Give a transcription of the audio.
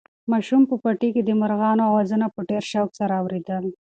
ماشوم په پټي کې د مرغانو اوازونه په ډېر شوق سره اورېدل.